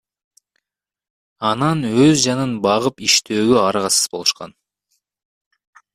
Анан өз жанын багып иштөөгө аргасыз болушкан.